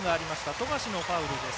富樫のファウルです。